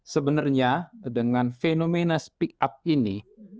sebenarnya dengan fenomena speak up ini